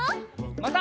また。